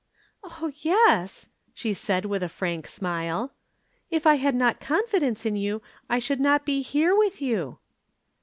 "Oh, yes," she said with a frank smile, "if I had not confidence in you, I should not be here with you."